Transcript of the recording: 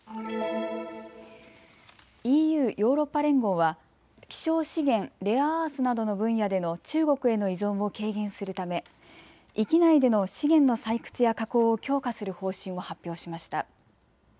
ＥＵ・ヨーロッパ連合は希少資源、レアアースなどの分野での中国への依存を軽減するため域内での資源の採掘や加工を強化する方針を発表しました。